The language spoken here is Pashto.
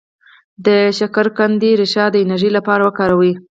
د شکرقندي ریښه د انرژی لپاره وکاروئ